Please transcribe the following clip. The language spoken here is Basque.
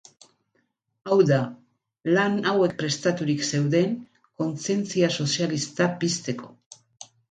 Hau da, lan hauek prestaturik zeuden kontzientzia sozialista pizteko.